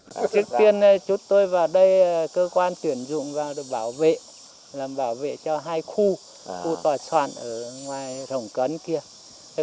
trước tiên chúng tôi vào đây cơ quan tuyển dụng vào để bảo vệ làm bảo vệ cho hai khu khu tòa soạn ở ngoài rổng cấn kia